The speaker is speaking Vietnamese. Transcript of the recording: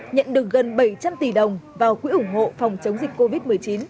nhận được gần bảy trăm linh tỷ đồng vào quỹ ủng hộ phòng chống dịch covid một mươi chín